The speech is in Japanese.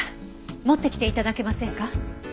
持ってきて頂けませんか？